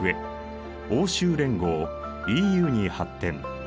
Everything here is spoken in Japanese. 欧州連合に発展。